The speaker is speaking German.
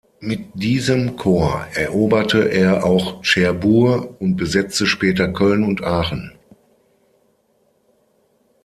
Mit diesem Korps eroberte er auch Cherbourg und besetzte später Köln und Aachen.